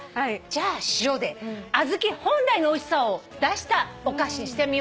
じゃあ塩でアズキ本来のおいしさを出したお菓子にしてみよう。